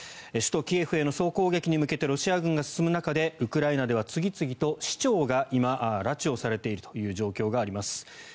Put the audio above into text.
首都キエフへの総攻撃に向けてロシア軍が進む中でウクライナでは次々と市長が今拉致をされている状況があります。